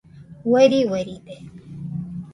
Ueri ueride